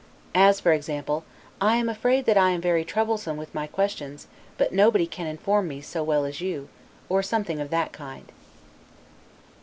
As, for example, I AM AFRAID THAT I AM VERY TROUBLESOME WITH MY QUESTIONS; BUT NOBODY CAN INFORM ME SO WELL AS YOU; or something of that kind.